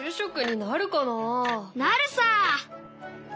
なるさ！